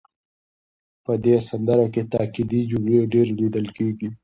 په دې سندره کې تاکېدي جملې ډېرې لیدل کېږي.